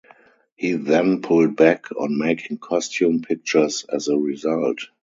He then pulled back on making costume pictures as a result.